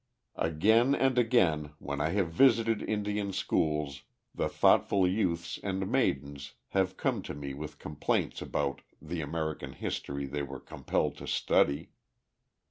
Again and again when I have visited Indian schools the thoughtful youths and maidens have come to me with complaints about the American history they were compelled to study.